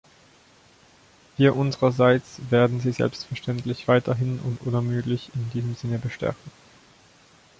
Wir unsererseits werden sie selbstverständlich weiterhin und unermüdlich in diesem Sinne bestärken.